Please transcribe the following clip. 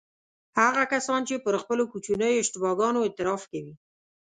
هغه کسان چې پر خپلو کوچنیو اشتباه ګانو اعتراف کوي.